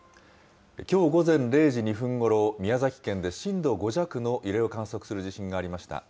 きょう午前０時２分ごろ、宮崎県で震度５弱の揺れを観測する地震がありました。